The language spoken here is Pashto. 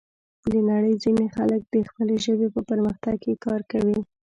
د نړۍ ځینې خلک د خپلې ژبې په پرمختګ کې کار کوي.